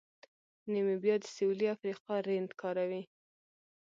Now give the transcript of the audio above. نیمیبیا د سویلي افریقا رینډ کاروي.